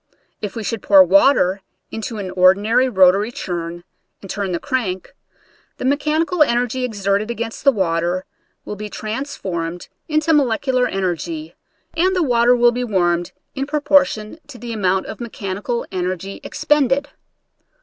If we should pour water into an ordinary rotary churn and turn the crank, the mechanical en ergy exerted against the water will be trans formed into molecular energy, and the water will be warmed in proportion to the amount of mechanical energy expended.